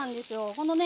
このね